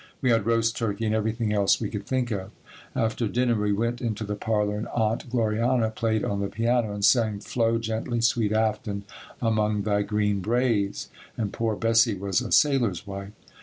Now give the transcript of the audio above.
We had roast turkey and everything else we could think of. After dinner we went into the parlor and Aunt Glorianna played on the piano and sang, "Flow gently, sweet Afton, among thy green braes," and "Poor Bessie was a sailor's wife."